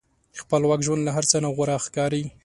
خپلواک ژوند له هر څه نه غوره ښکاري.